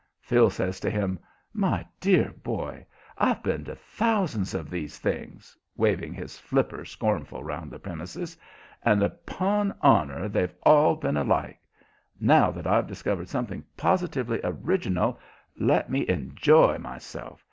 Phil says to him: "My dear boy, I've been to thousands of these things" waving his flipper scornful around the premises "and upon honor they've all been alike. Now that I've discovered something positively original, let me enjoy myself.